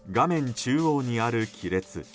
中央にある亀裂。